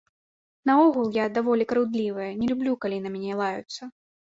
Наогул, я даволі крыўдлівая, не люблю, калі на мяне лаюцца.